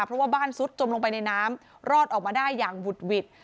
เพราะว่าบ้านซุดจมลงไปในน้ำรอดออกมาได้อย่างบุดหวิด